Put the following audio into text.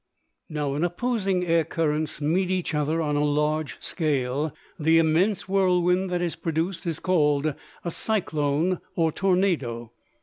Now, when opposing air currents meet each other on a large scale, the immense whirlwind that is produced is called a cyclone or tornado.